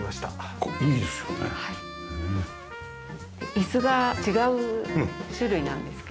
椅子が違う種類なんですけれども。